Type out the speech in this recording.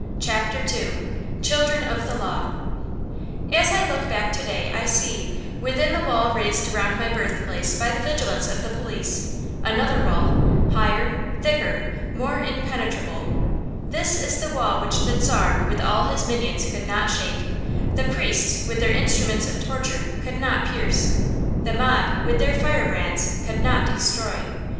CHAPTER II CHILDREN OF THE LAW As I look back to day I see, within the wall raised around my birthplace by the vigilance of the police, another wall, higher, thicker, more impenetrable. This is the wall which the Czar with all his minions could not shake, the priests with their instruments of torture could not pierce, the mob with their firebrands could not destroy.